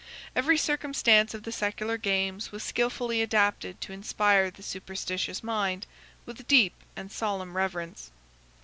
Every circumstance of the secular games was skillfully adapted to inspire the superstitious mind with deep and solemn reverence.